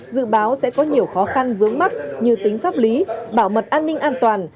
dự báo sẽ có nhiều khó khăn vướng mắt như tính pháp lý bảo mật an ninh an toàn